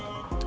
aku mau pergi